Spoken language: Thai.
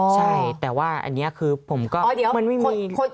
อ๋อใช่แต่ว่าอันนี้คือผมก็มันไม่มี